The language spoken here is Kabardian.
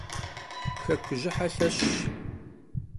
Xekujıhe lheşş.